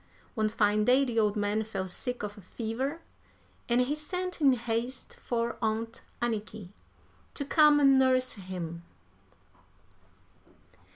One fine day the old man fell sick of a fever, and he sent in haste for Aunt Anniky to come and nurse him.